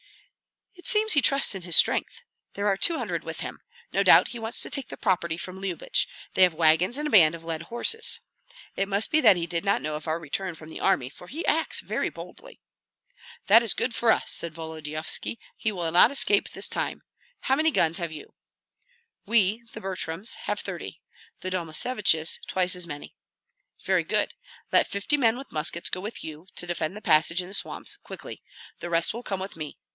"It seems he trusts in his strength. There are two hundred with him. No doubt he wants to take the property from Lyubich; they have wagons and a band of led horses. It must be that he did not know of our return from the army, for he acts very boldly." "That is good for us!" said Volodyovski. "He will not escape this time. How many guns have you?" "We, the Butryms, have thirty; the Domasheviches twice as many." "Very good. Let fifty men with muskets go with you to defend the passage in the swamps, quickly; the rest will come with me.